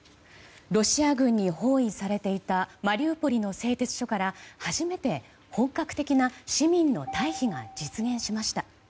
ロシア軍に包囲されていたマリウポリの製鉄所から初めて本格的な市民の退避が実現しました。